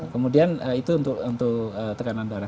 kemudian itu untuk tekanan darah